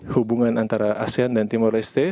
hubungan antara asean dan timur leste